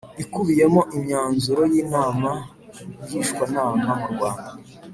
ikubiyemo imyanzuro y Inama Ngishwanama murwanda